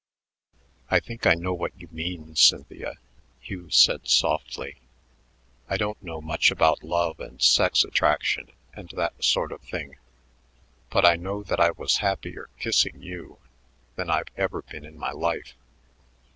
"I think I know what you mean, Cynthia," Hugh said softly. "I don't know much about love and sex attraction and that sort of thing, but I know that I was happier kissing you than I've ever been in my life.